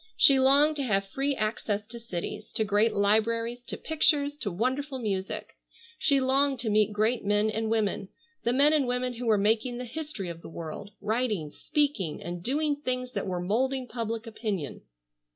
She longed to have free access to cities, to great libraries, to pictures, to wonderful music. She longed to meet great men and women, the men and women who were making the history of the world, writing, speaking, and doing things that were moulding public opinion.